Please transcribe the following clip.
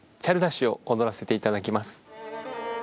『チャルダーシュ』を踊らせていただきます。